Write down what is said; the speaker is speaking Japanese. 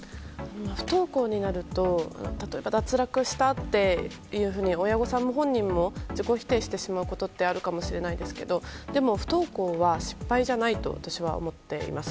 不登校になると例えば脱落したっていうふうに親御さんも本人も自己否定してしまうことってあるのかもしれないですけれどでも、不登校は失敗じゃないと私は思っています。